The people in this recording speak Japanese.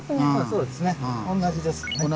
そうですね同じですね。